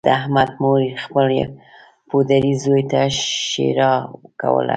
د احمد مور خپل پوډري زوی ته ښېرا کوله